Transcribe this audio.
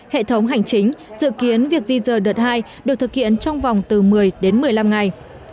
hệ thống hành chính dự kiến việc di rời đợt hai được thực hiện trong vòng từ một mươi đến một mươi năm ngày